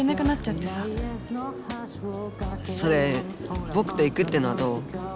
それぼくと行くっていうのはどう？